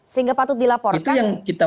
sehingga patut dilaporkan